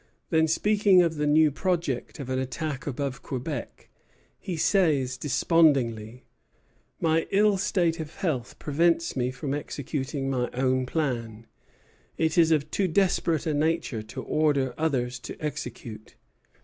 Then, speaking of the new project of an attack above Quebec, he says despondingly: "My ill state of health prevents me from executing my own plan; it is of too desperate a nature to order others to execute."